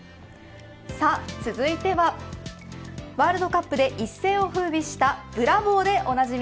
さあ続いてはワールドカップで一世を風びしたブラボーでおなじみ